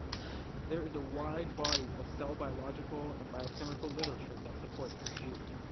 There is a wide body of cell-biological and biochemical literature that supports this view.